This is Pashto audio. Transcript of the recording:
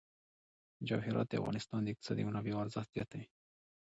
جواهرات د افغانستان د اقتصادي منابعو ارزښت زیاتوي.